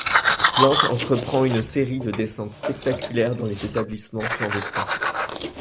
Plante entreprend une série de descentes spectaculaires dans les établissements clandestins.